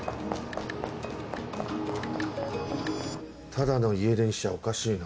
ただの家出にしちゃおかしいな。